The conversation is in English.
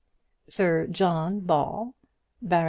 Sir John Ball, Bart.